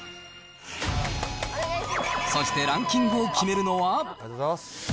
そして、ランキングを決めるのは。